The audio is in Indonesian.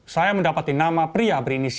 saya mendapati nama pria berinisial